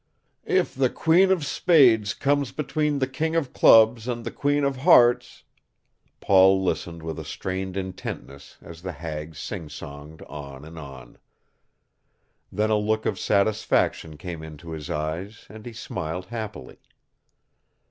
"If the queen of spades comes between the king of clubs and the queen of hearts " Paul listened with a strained intentness as the hag singsonged on and on. Then a look of satisfaction came into his eyes and he smiled happily.